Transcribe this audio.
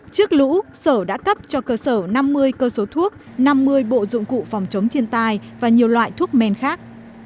trước lũ sở đã cấp cho cơ sở năm mươi cơ số thuốc năm mươi bộ dụng cụ phòng chống thiên tai và nhiều loại thuốc men khác